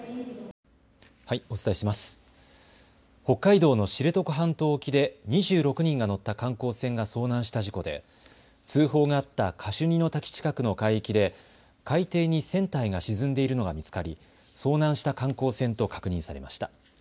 北海道の知床半島沖で２６人が乗った観光船が遭難した事故で通報があったカシュニの滝近くの海域で海底に船体が沈んでいるのが見つかり遭難した観光船と確認されました。